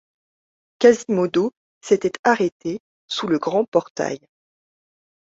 Quasimodo s’était arrêté sous le grand portail.